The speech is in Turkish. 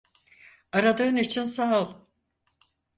Aradığın için sağ ol.